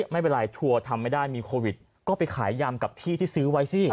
ไม่เป็นไรทัวร์ทำไม่ได้มีโควิดก็ไปขายยำกับที่ที่ซื้อไว้สิ